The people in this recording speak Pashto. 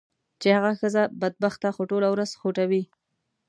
چې هغه ښځه بدبخته خو ټوله ورځ خوټوي.